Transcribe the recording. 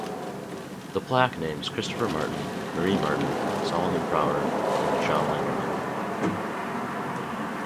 The plaque names Christopher Martin, Marie Martin, Solomon Prower and John Langerman.